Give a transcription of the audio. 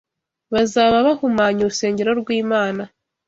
Bazaba bahumanya urusengero rw’Imana